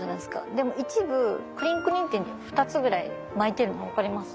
でも一部クリンクリンっていうの２つぐらい巻いてるの分かります？